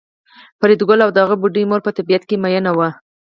فریدګل او د هغه بوډۍ مور په طبیعت میئن وو